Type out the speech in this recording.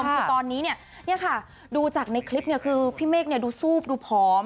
คือตอนนี้เนี่ยเนี่ยค่ะดูจากในคลิปเนี่ยคือพี่เมกเนี่ยดูซูบดูพร้อม